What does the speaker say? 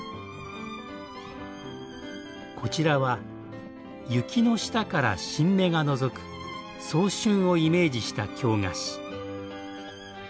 こちらは雪の下から新芽がのぞく早春をイメージした京菓子。